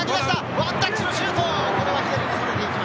ワンタッチのシュート！